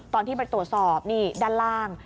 ตอนที่ไปตรวจสอบนี่ด้านล่าง